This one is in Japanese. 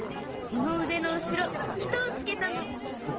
この腕の後ろ糸を付けたの。